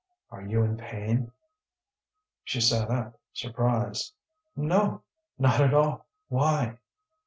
"Are you in pain?" She sat up surprised. "No, not at all. Why?"